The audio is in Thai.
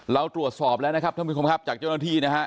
เราตรวจสอบแล้วนะครับท่านผู้ชมครับจากเจ้าหน้าที่นะฮะ